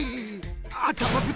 あたまぶつけた。